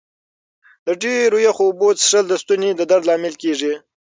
د ډېرو یخو اوبو څښل د ستوني د درد لامل کېږي.